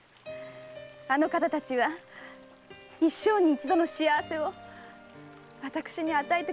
あの方たちは一生に一度の幸せを私に与えてくれたんですもの。